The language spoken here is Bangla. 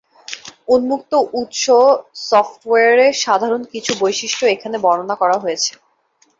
উন্মুক্ত উৎস সফটওয়্যারের সাধারণ কিছু বৈশিষ্ট্য এখানে বর্ণনা করা হয়েছে।